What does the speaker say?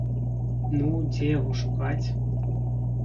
Ну, дзе яго шукаць?